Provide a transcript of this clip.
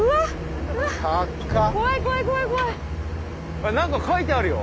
あなんか書いてあるよ。